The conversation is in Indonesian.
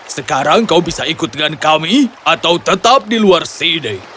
sekarang kau bisa ikut dengan kami atau tetap di luar see day